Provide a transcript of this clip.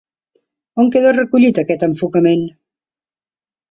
On queda recollit aquest enfocament?